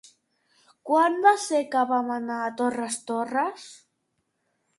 Quan va ser que vam anar a Torres Torres?